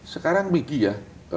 sekarang miki ya